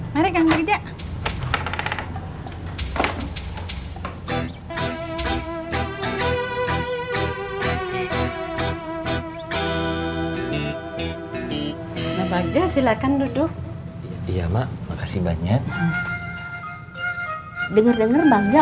mari kang bagja